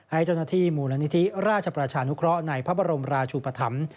ให้เจ้าหน้าที่มูลนิธิราชประชานุเคราะห์ในพระบรมราชุปธรรม